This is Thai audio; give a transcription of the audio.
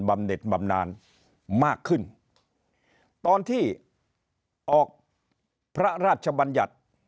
ำเน็ตบำนานมากขึ้นตอนที่ออกพระราชบัญญัติ